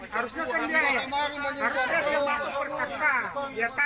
siapa yang menulis harusnya dia masuk pertekan